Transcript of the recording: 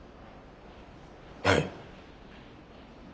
はい。